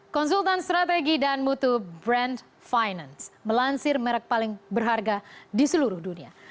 konsultan strategi dan mutu brand finance melansir merek paling berharga di seluruh dunia